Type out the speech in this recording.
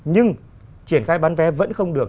nhưng triển khai bán vé vẫn không được